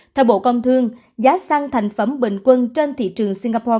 theo bộ công thương giá xăng thành phẩm bình quân trên thị trường singapore